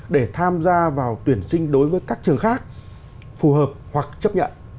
để tham gia vào tuyển sinh đối với các trường khác phù hợp hoặc chấp nhận